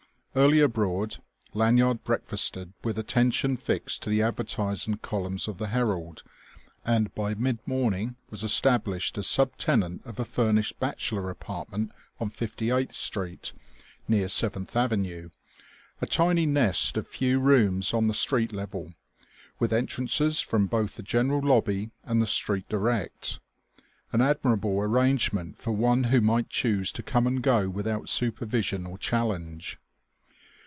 Early abroad, Lanyard breakfasted with attention fixed to the advertising columns of the Herald, and by mid morning was established as sub tenant of a furnished bachelor apartment on Fifty eighth Street near Seventh Avenue, a tiny nest of few rooms on the street level, with entrances from both the general lobby and the street direct: an admirable arrangement for one who might choose to come and go without supervision or challenge.